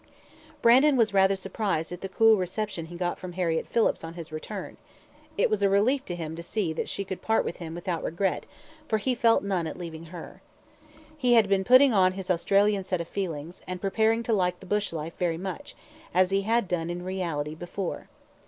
Brandon was rather surprised at the cool reception he got from Harriett Phillips on his return; it was a relief to him to see that she could part from him without regret, for he felt none at leaving her. He had been putting on his Australian set of feelings, and preparing to like his bush life very much, as he had done in reality before.